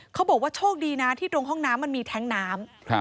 เขาบอกว่าโชคดีนะที่ตรงห้องน้ำมันมีแท้งน้ำ